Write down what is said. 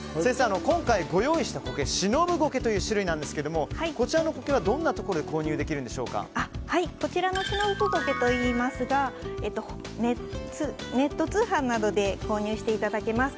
今回ご用意した苔シノブゴケという種類なんですけれどもこちらの苔はどんなところでこちらはシノブゴケといいますがネット通販などで購入していただけます。